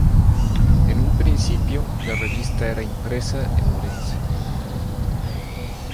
En un principio la revista era impresa en Orense.